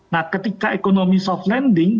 nah ketika ekonomi soft landing